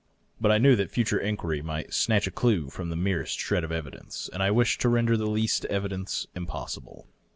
But I knew that future inquiry might snatch a clue from the merest shred of evidence. And I wished to render the least evi dence impossible.